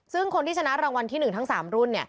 ซึ่งคนที่ชนะรางวัลที่๑ทั้ง๓รุ่น